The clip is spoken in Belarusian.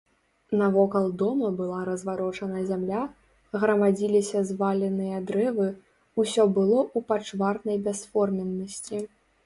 Навокал дома была разварочана зямля, грамадзіліся зваленыя дрэвы, усё было ў пачварнай бясформеннасці.